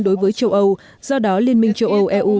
đối với châu âu do đó liên minh châu âu eu